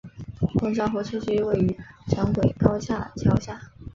公交候车区位于城轨高架桥下。